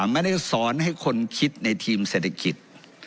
ไม่ได้สอนให้คนคิดในทีมเศรษฐกิจ